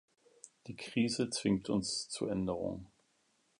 Die Krise zwingt uns zu Änderungen.